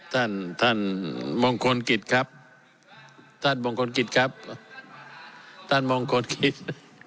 ท่านท่านมงคลกิจครับท่านมงคลกิจครับท่านมงคลกิจ